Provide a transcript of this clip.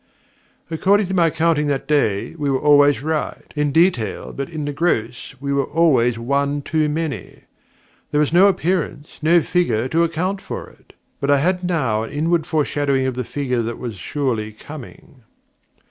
According to my counting that day, we were always right in detail, but in the gross we were always one too many. There was no appearance no figure to account for it; but I had now an inward foreshadowing of the figure that was surely coming.